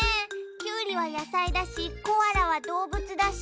きゅうりはやさいだしコアラはどうぶつだし。